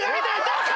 どうか？